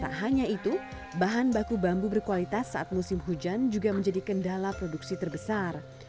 tak hanya itu bahan baku bambu berkualitas saat musim hujan juga menjadi kendala produksi terbesar